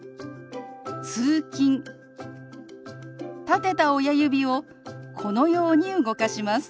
立てた親指をこのように動かします。